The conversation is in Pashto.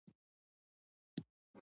اداري مکتوب باید واضح ژبه ولري.